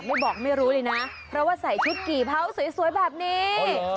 ไม่บอกไม่รู้เลยนะเพราะว่าใส่ชุดกี่เผาสวยแบบนี้